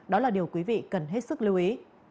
đó là điều quý vị cần hết sức lưu ý